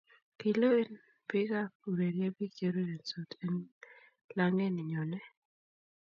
kilewen biikab urerye biik che urerensot eng' lang'et ne nyone.